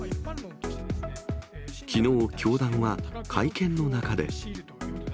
きのう、教団は会見の中で。